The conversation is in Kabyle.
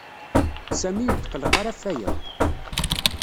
Sami ur yetqelleq ara ɣef waya.